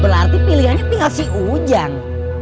berarti pilihannya tinggal si ujang